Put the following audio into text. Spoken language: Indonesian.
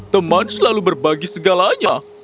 teman selalu berbagi segalanya